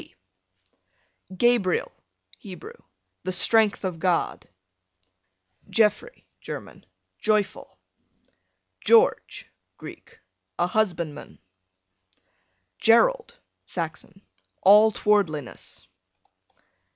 ` G Gabriel, Hebrew, the strength of God. Geoffrey, German, joyful. George, Greek, a husbandman. Gerald, Saxon, all towardliness.